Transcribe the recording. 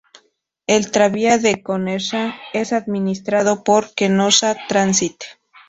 El Tranvía de Kenosha es administrado por Kenosha Transit.